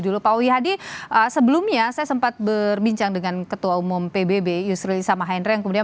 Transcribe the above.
dulu pak wihadi sebelumnya saya sempat berbincang dengan ketua umum pbb yusril isamahendra yang kemudian